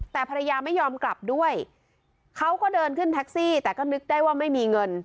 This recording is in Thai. แต่ภรรยาไม่ยอมกลับด้วยเขาก็เดินขึ้นแท็กซี่แต่ก็นึกได้ว่าไม่มีเงิน